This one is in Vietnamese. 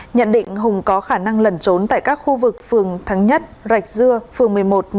nhận định hùng có khả năng lẩn trốn tại các khu vực phường thắng nhất rạch dưa phường một mươi một một mươi